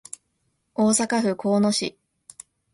大阪府交野市